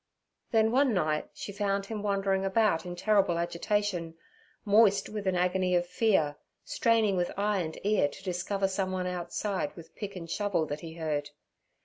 Then one night she found him wandering about in terrible agitation, moist with an agony of fear, straining with eye and ear to discover someone outside with pick and shovel that he heard.